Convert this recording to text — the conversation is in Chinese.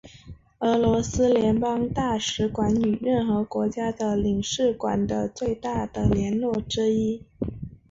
俄罗斯联邦大使馆与任何国家的领事馆的最大的联络之一。